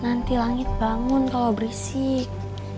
nanti langit bangun kalau berisik